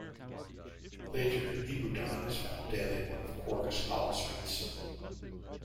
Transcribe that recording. Later, Ibudan is found dead in one of Quark's holosuites.